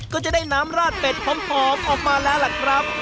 ก็จะได้น้ำราดเป็ดหอมออกมาแล้วล่ะครับ